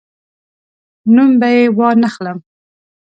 نوم به یې وانخلم.